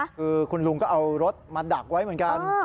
คือคุณลุงก็เอารถมาดักไว้เหมือนกัน